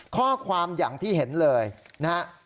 ข้อความอย่างที่เห็นเลยนะฮะ